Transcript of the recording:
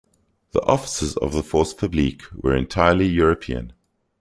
The officers of the "Force Publique" were entirely European.